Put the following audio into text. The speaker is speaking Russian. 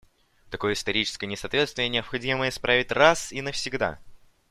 Такое историческое несоответствие необходимо исправить раз и навсегда.